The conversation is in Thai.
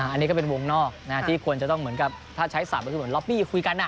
อันนี้ก็เป็นวงนอกที่ควรจะต้องเหมือนกับถ้าใช้ศัพท์ก็คือเหมือนล็อบบี้คุยกัน